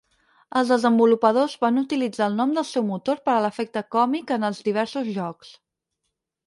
Els desenvolupadors van utilitzar el nom del seu motor per a l'efecte còmic en diversos jocs.